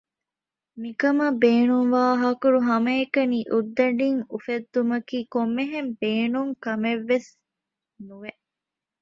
މިކަމަށް ބޭނުންވާ ހަކުރު ހަމައެކަނި އުއްދަޑީން އުފެއްދުމަކީ ކޮންމެހެން ބޭނުން ކަމަކަށްވެސް ނުވެ